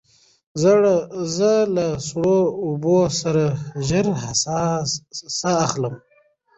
زه له سړو اوبو وروسته ژر ساه اخلم.